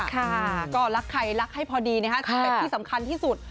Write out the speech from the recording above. ค่ะก็รักใครรักให้พอดีนะคะสเต็ปที่สำคัญที่สุด